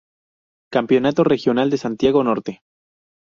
Campeonato regional de Santiago Norte